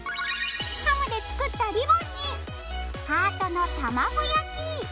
ハムで作ったリボンにハートの卵焼き。